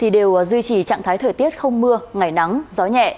đều duy trì trạng thái thời tiết không mưa ngày nắng gió nhẹ